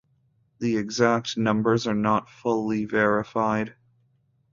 The exact numbers are not fully verified.